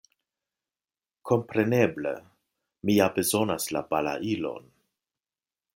Kompreneble, mi ja bezonas la balailon.